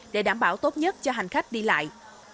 để đảm bảo tốt nhất cho hành khách đi lại